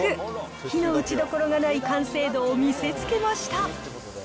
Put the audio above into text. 非の打ちどころがない完成度を見せつけました。